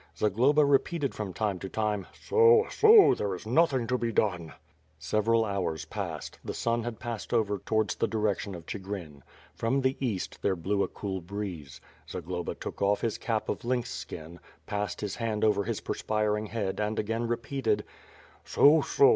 Zagloba repeated from time to time "So, so! there is nothing to be done!" Several hours passed; the sun had passed over towards the direction of C higrin. From the East, there blew a cool breeze. Zagloba took off his cap of lynx skin, passed his hand over his perspiring head and again repeated: "So, so!